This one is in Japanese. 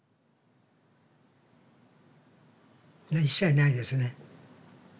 一切ないですね。